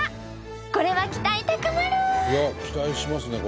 これは期待高まる！